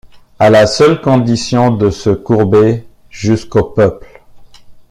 À la seule condition de se courber jusqu’au peuple.